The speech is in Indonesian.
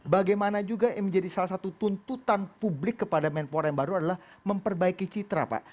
bagaimana juga yang menjadi salah satu tuntutan publik kepada menpora yang baru adalah memperbaiki citra pak